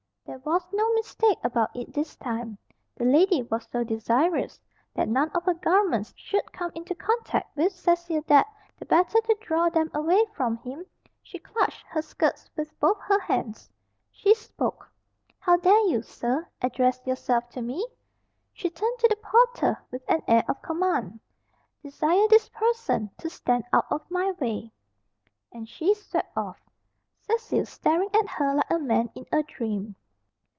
There was no mistake about it this time. The lady was so desirous that none of her garments should come into contact with Cecil that, the better to draw them away from him, she clutched her skirts with both her hands. She spoke "How dare you, sir, address yourself to me?" She turned to the porter with an air of command. "Desire this person to stand out of my way." And she swept off, Cecil staring at her like a man in a dream.